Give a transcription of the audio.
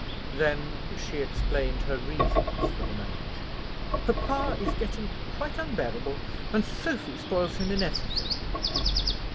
Then she explained her reasons for the marriage. "Papa is getting quite unbearable, and Sophy spoils him in everything."